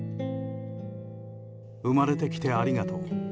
生まれてきてありがとう。